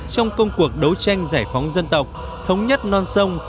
trong công cuộc đấu tranh giải phóng dân tộc thống nhất non sông